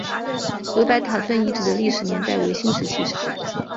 刘白塔村遗址的历史年代为新石器时代。